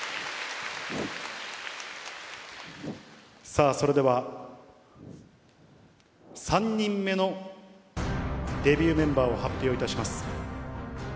さあ、それでは３人目のデビューメンバーを発表いたします。